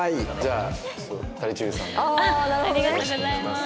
ありがとうございます。